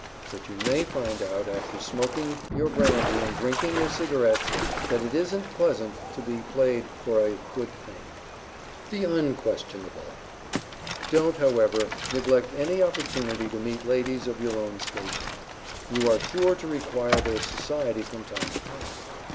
But you may find out, after smoking your brandy and drinking your cigarettes, that it isn't pleasant to be played for a "good thing." [Sidenote: THE UNQUESTIONABLE] Don't, however, neglect any opportunity to meet ladies of your own station. You are sure to require their society from time to time.